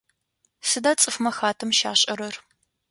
Сыда цӏыфмэ хатэм щашӏэрэр?